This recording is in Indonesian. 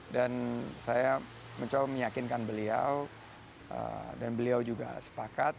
dan saya mencoba meyakinkan beliau dan beliau juga sepakat